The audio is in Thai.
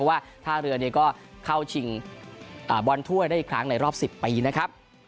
ว่าท่าเรือก็เข้าชิงบอลถ้วยได้อีกครั้งในรอบ๑๐ปีนะครับ